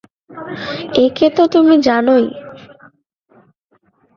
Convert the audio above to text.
এঁকে তো তুমি জানই।